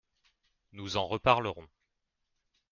Nous en reparlerons.